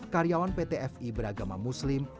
karyawan pt fi beragama muslim